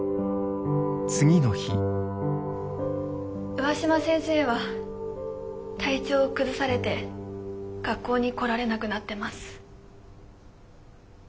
上嶋先生は体調を崩されて学校に来られなくなってます。